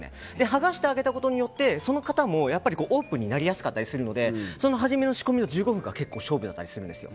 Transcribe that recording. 剥がしてあげたことによってその方もオープンになりやすかったりするのでその初めの仕込みの１５分が勝負だったりするんですよ。